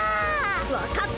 わかった。